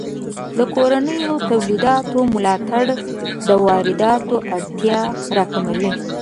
د کورنیو تولیداتو ملاتړ د وارداتو اړتیا راکموي.